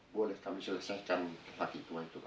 boleh kami selesai